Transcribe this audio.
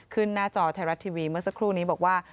หน้าจอไทยรัฐทีวีเมื่อสักครู่นี้บอกว่า